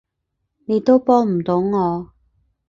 你都幫唔到我